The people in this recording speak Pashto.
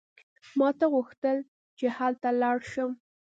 ما ته غوښتل چې هلته لاړ شم.